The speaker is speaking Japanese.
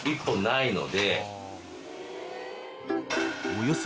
［およそ